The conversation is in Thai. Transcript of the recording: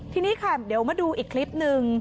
ทีนี้ค่ะเดี๋ยวมาดูอีกคลิปหนึ่ง